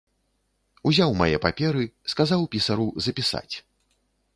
Узяў мае паперы, сказаў пісару запісаць.